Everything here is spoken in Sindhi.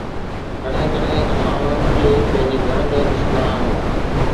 ڪڏهن ڪڏهن اسان انهن کي پنهنجي گهر ۾ ڏسندا آهيون